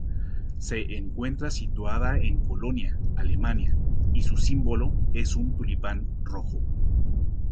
Se encuentra situada en Colonia, Alemania, y su símbolo es un tulipán rojo.